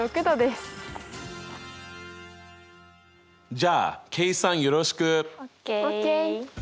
じゃあ計算よろしく！ＯＫ。